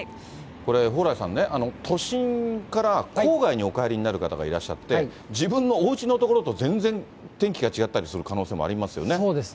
これ、蓬莱さんね、都心から郊外にお帰りになる方がいらっしゃって、自分のおうちの所と全然天気が違ったりする可能性もありますよね。